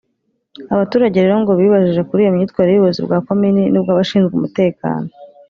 Abaturage rero ngo bibajije kuri iyo myitwarire y’ubuyobozi bwa komini n’ubw’abashinzwe umutekano